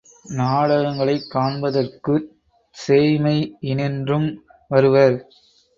நாடகங்களைக் காண்பதற்குச் சேய்மையினின்றும் வருவர்.